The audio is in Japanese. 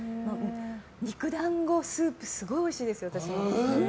肉団子スープすごいおいしいですよ、私の。